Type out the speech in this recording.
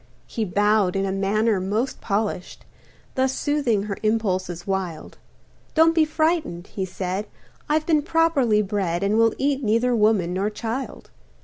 He bowed in a manner most polished, Thus soothing her impulses wild; "Don't be frightened," he said, "I've been properly bred And will eat neither woman nor child."